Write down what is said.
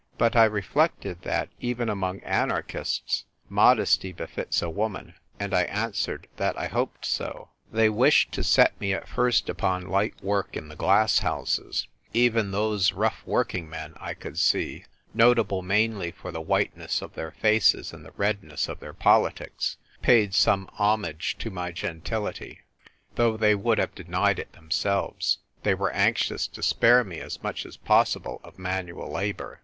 But I reflected that, even among anarchists, modesty befits a woman, and I answered that I hoped so. They wished to set me at first upon light work in the glass houses ; even those rough working men, I could see (notable mainly for the whiteness of their faces and the redness of their politics), paid some homage to my gentility ; though they would have denied it themselves, they were anxious to spare me as much as pos sible of manual labour.